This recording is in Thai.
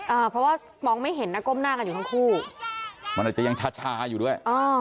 อ่าเพราะว่ามองไม่เห็นนะก้มหน้ากันอยู่ทั้งคู่มันอาจจะยังชาชาอยู่ด้วยอ๋อ